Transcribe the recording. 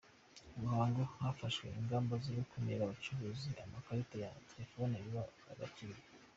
Ruhango Hafashwe ingamba zo gukumira abacuruza amakarita ya ya telefone biba abakiriya